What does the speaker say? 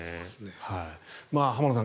浜田さん